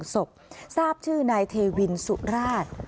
ศพทราบชื่อนายเทวินสุราช